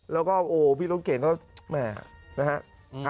แล้วก็โอ้โฮพี่ล้นเก่งนะครับ